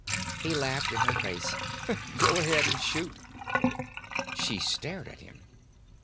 He laughed in her face. "Go ahead and shoot." She stared at him.